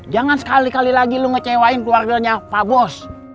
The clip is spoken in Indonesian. jangan sekali kali lagi lu ngecewain keluarganya fabos